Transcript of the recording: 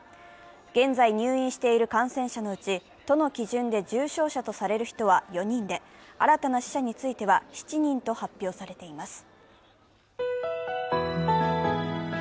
現在入院している感染者のうち都の基準で重症者とされる人は４人で、新たな死者については７人と発表されています。